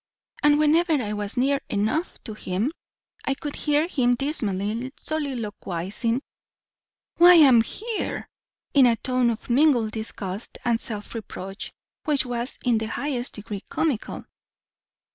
And whenever I was near enough to him, I could hear him dismally soliloquizing, 'Why am I here!' in a tone of mingled disgust and self reproach which was in the highest degree comical."